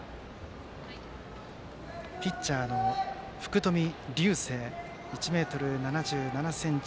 ピッチャーの福冨竜世は１ｍ７７ｃｍ。